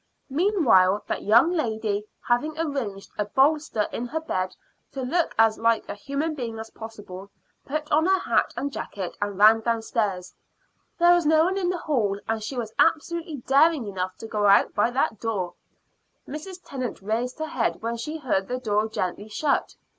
Meanwhile that young lady, having arranged a bolster in her bed to look as like a human being as possible, put on her hat and jacket and ran downstairs. There was no one in the hall, and she was absolutely daring enough to go out by that door. Mrs. Tennant raised her head when she heard the door gently shut.